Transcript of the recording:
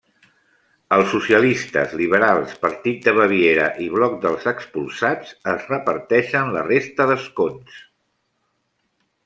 Els socialistes, liberals, Partit de Baviera i Bloc dels Expulsats es reparteixen la resta d'escons.